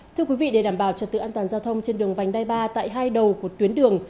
thưa quý vị để đảm bảo trật tự an toàn giao thông trên đường vành đai ba tại hai đầu của tuyến đường